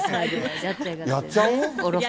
やっちゃう？